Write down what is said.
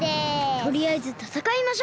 とりあえずたたかいましょう。